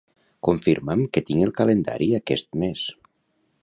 Confirma'm què tinc al calendari aquest mes.